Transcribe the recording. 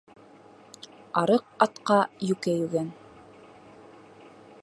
Арыҡ атҡа йүкә йүгән.